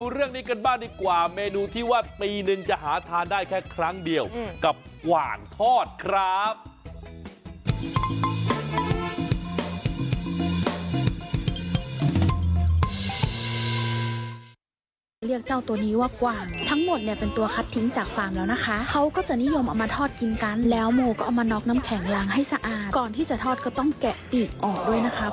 เรื่องนี้กันบ้างดีกว่าเมนูที่ว่าปีนึงจะหาทานได้แค่ครั้งเดียวกับกว่างทอดครับ